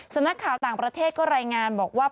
นักข่าวต่างประเทศก็รายงานบอกว่า